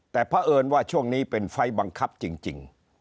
แต่เพราะเอิญว่าช่วงนี้เป็นไฟล์บังคับจริง